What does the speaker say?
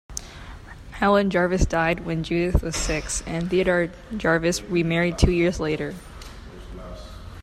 Helen Jarvis died when Judith was six, and Theodore Jarvis remarried two years later.